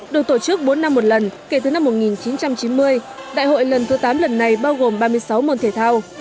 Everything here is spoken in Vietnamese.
được tổ chức bốn năm một lần kể từ năm một nghìn chín trăm chín mươi đại hội lần thứ tám lần này bao gồm ba mươi sáu môn thể thao